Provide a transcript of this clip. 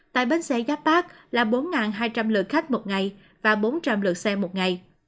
tại bến xe giáp bát là bốn hai trăm linh lượt khách một ngày và bốn trăm linh lượt xe một ngày